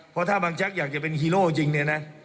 เพราะถ้าบางแจ๊กอยากจะเป็นฮีโร่จริงเนี่ยนะ